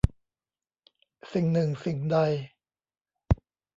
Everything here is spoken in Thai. สิ่งหนึ่งสิ่งใด